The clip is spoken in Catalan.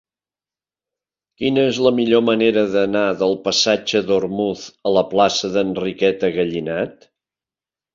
Quina és la millor manera d'anar del passatge d'Ormuz a la plaça d'Enriqueta Gallinat?